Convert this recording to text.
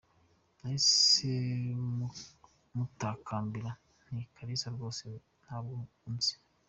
Nahise mutakambira nti Kalisa rwose ntabwo unzi?